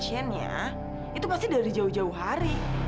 pasiennya itu pasti dari jauh jauh hari